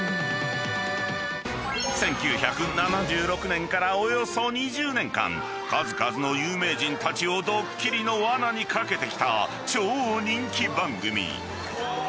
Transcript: ［１９７６年からおよそ２０年間数々の有名人たちをどっきりのわなに掛けてきた超人気番組］